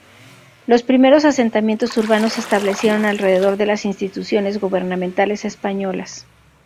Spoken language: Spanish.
Los primeros asentamientos urbanos se establecieron alrededor de las instituciones gubernamentales españolas.